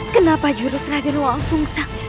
kenapa jurus raden wang sung sang